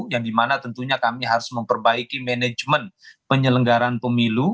yang dimana tentunya kami harus memperbaiki manajemen penyelenggaran pemilu